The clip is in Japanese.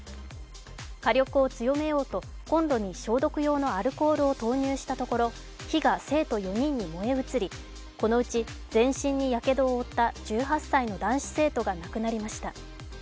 火力を強めようと、こんろに消毒用のアルコールを投入したところ、火が生徒４人に燃え移りこのうち全身にやけどを負った１８歳の男子生徒が亡くなりました。